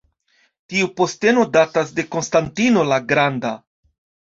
Tiu posteno datas de Konstantino la Granda.